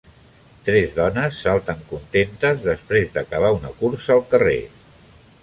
Tres dones salten contentes després d'acabar una cursa al carrer.